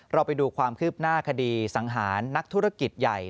ไปดูความคืบหน้าคดีสังหารนักธุรกิจใหญ่